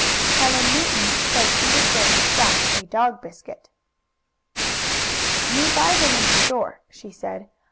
Helen Newton said she would bring Splash a dog biscuit. "You buy them in a store," she said.